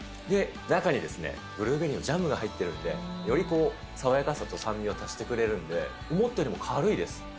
で、中にブルーベリーのジャムが入ってるんで、より爽やかさと酸味を足してくれるんで、思ったよりも軽いです。